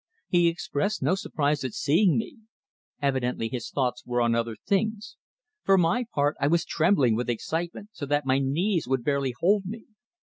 He expressed no surprise at seeing me. Evidently his thoughts were on other things. For my part, I was trembling with excitement, so that my knees would barely hold me.